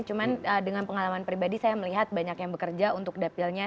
cuma dengan pengalaman pribadi saya melihat banyak yang bekerja untuk dapilnya